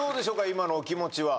今のお気持ちは。